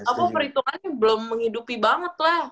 jadi apa perhitungannya belum menghidupi banget lah